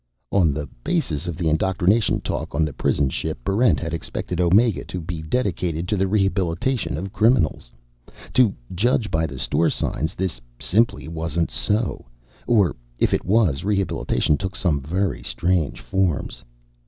On the basis of the indoctrination talk on the prison ship, Barrent had expected Omega to be dedicated to the rehabilitation of criminals. To judge by the store signs, this simply wasn't so; or if it was, rehabilitation took some very strange forms.